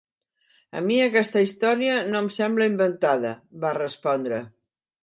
"A mi aquesta història no em sembla inventada", va respondre.